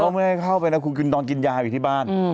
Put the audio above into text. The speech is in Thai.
เขาไม่ให้เข้าไปนะคุณนอนกินยาอยู่ที่บ้าน